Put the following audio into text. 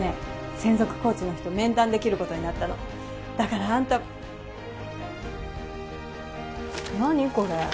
専属コーチの人面談できることになったのだからあんた何これ？